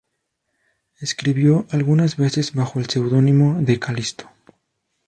Escribió algunas veces bajo el pseudónimo de "K-Listo".